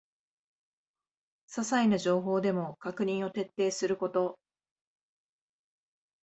ささいな情報でも確認を徹底すること